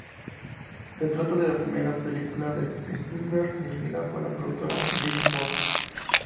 Se trata de la primera película de Spielberg dirigida para la productora DreamWorks.